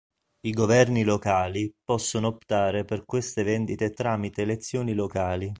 I governi locali possono optare per queste vendite tramite elezioni "locali".